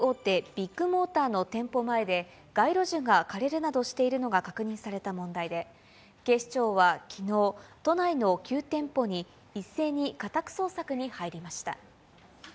東京都が被害届を出していま中古車販売大手、ビッグモーターの店舗前で、街路樹が枯れるなどしているのが確認された問題で、警視庁はきのう、都内の９店舗に、一斉に家宅捜索に入りました。